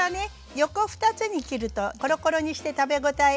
横２つに切るとコロコロにして食べ応え。